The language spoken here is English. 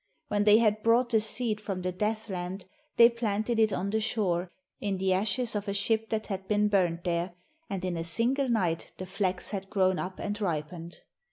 When they had brought the seed from the Deathland, they planted it on the shore, in the ashes of a ship that had been burnt there, and in a single night the flax had grown up and ripened.